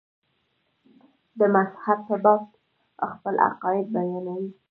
د مذهب په باب خپل عقاید بیانوي.